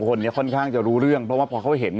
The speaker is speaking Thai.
คนนี้ค่อนข้างจะรู้เรื่องเพราะว่าพอเขาเห็น